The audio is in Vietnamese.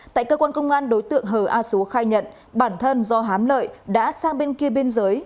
tại cơ quan công an đối tượng hờ a xúa khai nhận bản thân do hám lợi đã sang bên kia biên giới